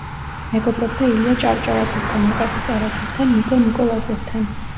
მეგობრობდა ილია ჭავჭავაძესთან, აკაკი წერეთელთან, ნიკო ნიკოლაძესთან.